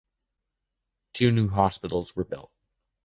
Two new hospitals were built.